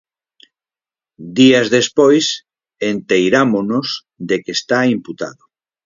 Días despois enteirámonos de que está imputado.